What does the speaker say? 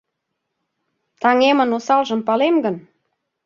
Таҥемын осалжым палем гын